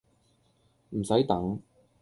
唔洗等